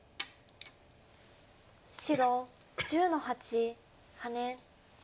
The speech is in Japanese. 白１０の八ハネ。